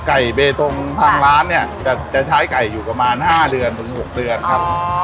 ไก่เบตงทางร้านเนี่ยจะใช้ไก่อยู่ประมาณ๕เดือนถึง๖เดือนครับ